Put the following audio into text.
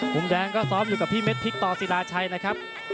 มุมแดงก็ซ้อมอยู่กับพี่เม็ดพริกต่อศิราชัยนะครับ